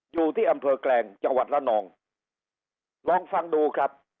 อยู่ที่อำเภอแกลงจังหวัดละนองลองฟังดูครับ